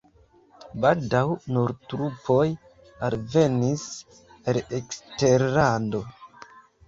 Baldaŭ nur trupoj alvenis el eksterlando.